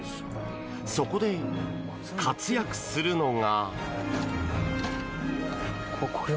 そこで活躍するのが。